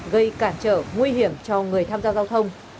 gây cản trở nguy hiểm cho người tham gia giao thông